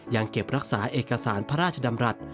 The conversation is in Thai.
ยังเก็บรักษาเอกสารพระราชดำรัฐ